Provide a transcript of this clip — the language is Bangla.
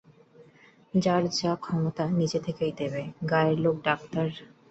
যার যা ক্ষমতা নিজে থেকেই দেবে, গায়ের লোক ডাক্তারকবরেজকে ঠকাতে সাহস পায় না।